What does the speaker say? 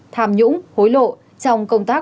tham nhũng hối lộ trong công tác